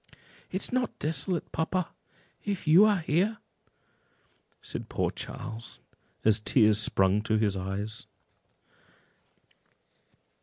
"It is not desolate, papa, if you are here," said poor Charles, as tears sprung to his eyes.